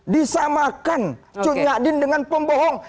disamakan cut nyak din dengan pembohong